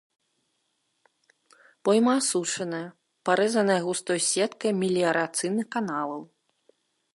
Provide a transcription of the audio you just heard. Пойма асушаная, парэзаная густой сеткай меліярацыйных каналаў.